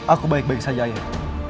aku baik baik saja ya